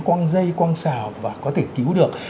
quăng dây quăng xào và có thể cứu được